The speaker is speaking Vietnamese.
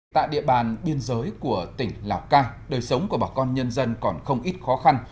tại địa bàn biên giới của tỉnh lào cai đời sống của bà con nhân dân còn không ít khó khăn